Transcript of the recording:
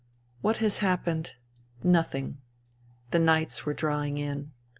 What has happened ? Nothing. The nights were drawing in.